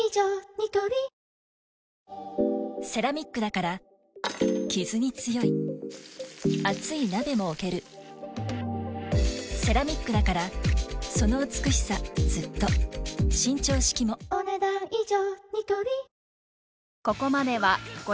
ニトリセラミックだからキズに強い熱い鍋も置けるセラミックだからその美しさずっと伸長式もお、ねだん以上。